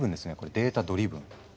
データドリブン。